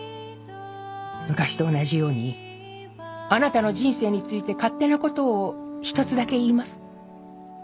昔と同じようにあなたの人生について勝手なことを一つだけ言います。